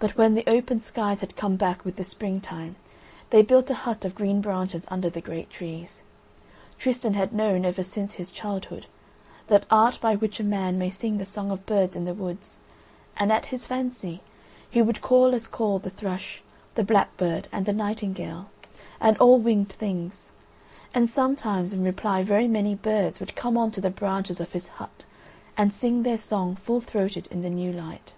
But when the open skies had come back with the springtime, they built a hut of green branches under the great trees. Tristan had known, ever since his childhood, that art by which a man may sing the song of birds in the woods, and at his fancy, he would call as call the thrush, the blackbird and the nightingale, and all winged things; and sometimes in reply very many birds would come on to the branches of his hut and sing their song full throated in the new light.